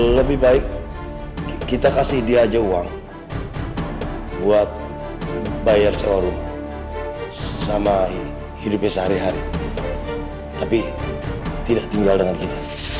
lebih baik kita kasih dia aja uang buat bayar seorang sama hidup sehari hari tapi tidak tinggal